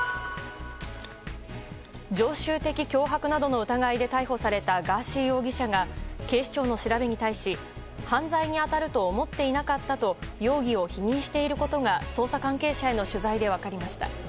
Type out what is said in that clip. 常習的脅迫などの疑いで逮捕されたガーシー容疑者が警視庁の調べに対し犯罪に当たると思っていなかったと容疑を否認していることが捜査関係者への取材で分かりました。